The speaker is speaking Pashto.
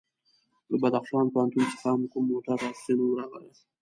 له بدخشان پوهنتون څخه هم کوم موټر راپسې نه و راغلی.